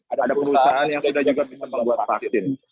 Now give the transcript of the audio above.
ada perusahaan yang sudah juga bisa membuat vaksin